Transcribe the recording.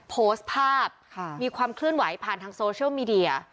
โพสต์ภาพมีความเคลื่อนไหวผ่านทางโซเชียลมีเดีย